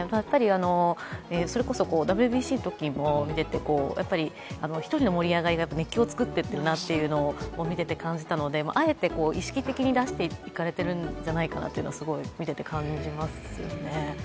それこそＷＢＣのときに見ていても１人の盛り上がりが熱気を作っていっているなと見ていて感じたのであえて意識的に出していかれているんじゃないかなと見てて感じますよね。